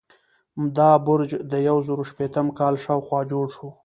دا برج د یو زرو شپیتم کال شاوخوا جوړ شو.